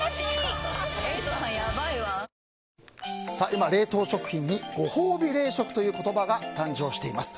今、冷凍食品にご褒美冷食という言葉が誕生しています。